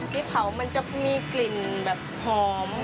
พริกเผามันจะมีกลิ่นแบบหอม